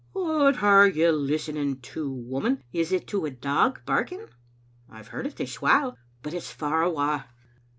" What are you listening to, woman? Is it to a dog barking? I've heard it this while, but it's far awa."